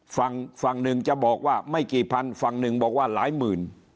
ฝั่งฝั่งหนึ่งจะบอกว่าไม่กี่พันฝั่งหนึ่งบอกว่าหลายหมื่น